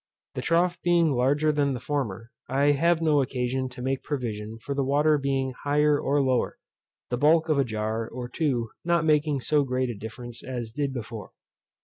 This trough being larger than the former, I have no occasion to make provision for the water being higher or lower, the bulk of a jar or two not making so great a difference as did before.